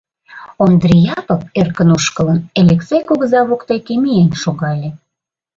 Ондри Япык, эркын ошкылын, Элексей кугыза воктеке миен шогале.